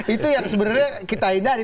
itu yang sebenarnya kita hindari